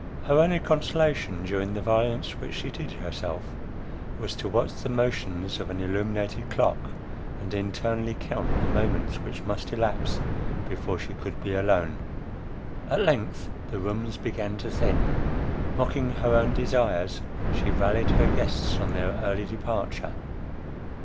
Her only consolation during the violence which she did herself, was to watch the motions of an illuminated clock, and internally count the moments which must elapse before she could be alone. At length the rooms began to thin. Mocking her own desires, she rallied her guests on their early departure.